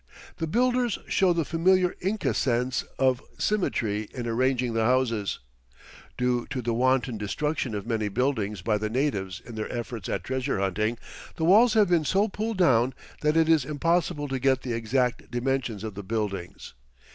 The builders showed the familiar Inca sense of symmetry in arranging the houses, Due to the wanton destruction of many buildings by the natives in their efforts at treasure hunting, the walls have been so pulled down that it is impossible to get the exact dimensions of the buildings.